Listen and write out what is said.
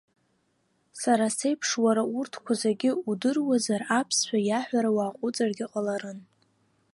Сара сеиԥш, уара урҭқәа зегьы удыруазар, аԥсшәа иаҳәара уаҟәыҵыргьы ҟаларын.